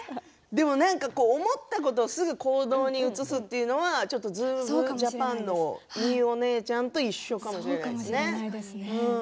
でも思ったことをすぐ行動に移すというのは「ズームジャパン」のミウお姉ちゃんと一緒かもしれないですね。